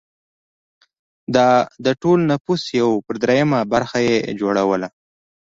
دا د ټول نفوس یو پر درېیمه برخه یې جوړوله